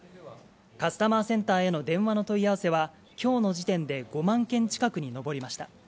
カスタマーセンターへの電話の問い合わせは、きょうの時点で５万件近くに上りました。